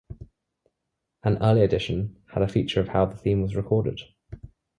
An early edition had a feature of how the theme was recorded.